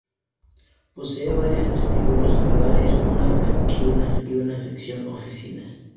Posee varios vestíbulos y bares, una taquilla y una sección oficinas.